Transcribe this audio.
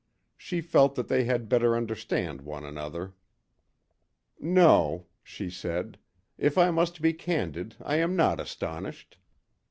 She felt that they had better understand one another. "No," she said; "if I must be candid, I am not astonished."